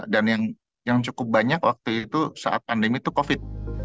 dan yang cukup banyak waktu itu saat pandemi itu covid